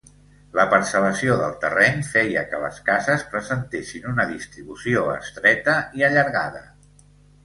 La parcel·lació del terreny feia que les cases presentessin una distribució estreta i allargada.